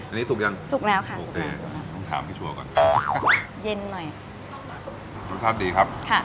อันนี้สุกยังสุกแล้วค่ะต้องถามพี่ชัวร์ก่อนเย็นหน่อยรสชาติดีครับค่ะ